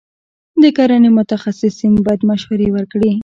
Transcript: د کرنې متخصصین باید مشورې ورکړي.